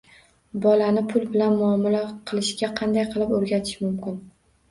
Bolani pul bilan muomala qilishga qanday qilib o‘rgatish mumkin?